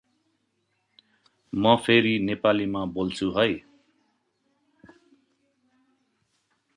म फेरि नेपालीमा बोल्छु है ।